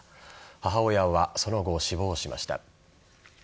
母親はその後死亡しました。